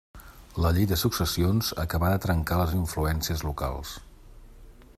La llei de successions acabà de trencar les influències locals.